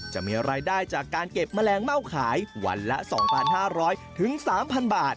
จะมีรายได้จากการเก็บแมลงเม่าขายวันละ๒๕๐๐๓๐๐บาท